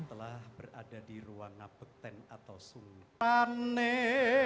telah berada di ruang ngapet ten atau sungguh